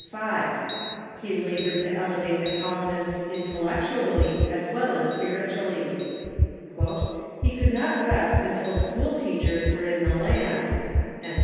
He labored to elevate the colonists intellectually as well as spiritually. EARLY LEADERS 487 "He could not rest until school teachers were in the land."